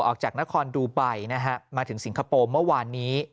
ออกจากนครดูไบนะฮะมาถึงสิงคโปร์เมื่อวานนี้